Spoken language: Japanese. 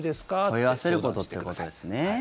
問い合わせるということですね。